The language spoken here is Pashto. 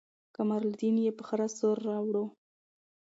قمرالدين يې په خره سور راوړو.